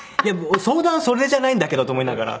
相談それじゃないんだけどと思いながら。